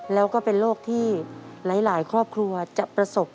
แล้วก็เป็นโรคที่หลายครอบครัวจะประสบ